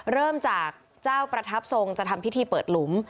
เริ่มจากเจ้าประทับทรงจะทำพิธีเปิดหลุม